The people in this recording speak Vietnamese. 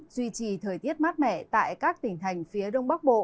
duy trì thời tiết mát mẻ tại các tỉnh thành phía đông bắc bộ